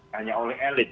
hanya oleh elit